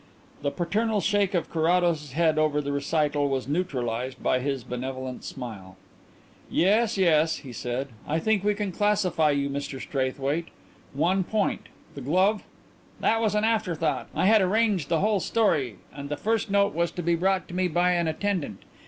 The paternal shake of Carrados's head over the recital was neutralized by his benevolent smile. "Yes, yes," he said. "I think we can classify you, Mr Straithwaite. One point the glove?" "That was an afterthought. I had arranged the whole story and the first note was to be brought to me by an attendant.